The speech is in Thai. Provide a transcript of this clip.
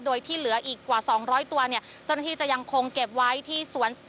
โดยที่เหลืออีกกว่า๒๐๐ตัวเนี่ยเจ้าหน้าที่จะยังคงเก็บไว้ที่สวน